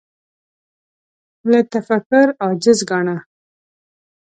له تفکر عاجز ګاڼه